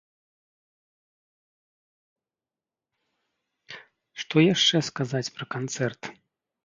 Што яшчэ сказаць пра канцэрт?